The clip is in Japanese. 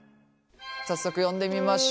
早速呼んでみましょう。